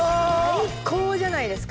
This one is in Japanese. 最高じゃないですか。